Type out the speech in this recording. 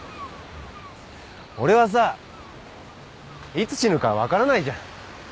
俺はさいつ死ぬか分からないじゃん。